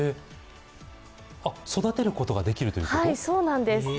育てることができるということ？